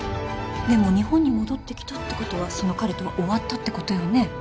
でも日本に戻ってきたってことはその彼とは終わったってことよね。